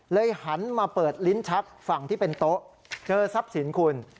หันมาเปิดลิ้นชักฝั่งที่เป็นโต๊ะเจอทรัพย์สินคุณ